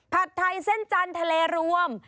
ผัดไทยเส้นจันทร์ทะเลรวม